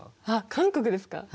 あっ韓国ですか。